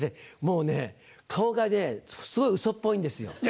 もうね顔がねすごいウソっぽいんですよ。